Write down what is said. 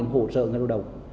hỗ trợ người lao động